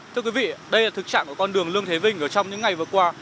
thưa quý vị đây là thực trạng của con đường lương thế vinh ở trong những ngày vừa qua